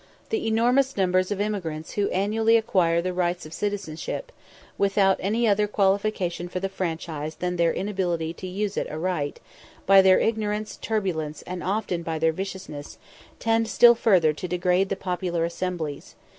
The enormous numbers of immigrants who annually acquire the rights of citizenship, without any other qualification for the franchise than their inability to use it aright, by their ignorance, turbulence, and often by their viciousness, tend still further to degrade the popular assemblies.